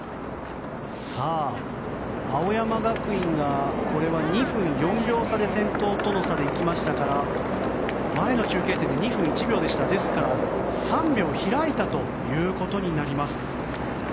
青山学院が２分４秒差で行きましたから前の中継点が２分１秒でしたからですから、３秒開いたということになります。